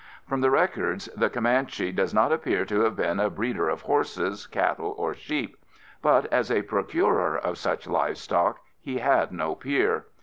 From the records, the Comanche does not appear to have been a breeder of horses, cattle or sheep. But as a procurer of such livestock, he had no peer.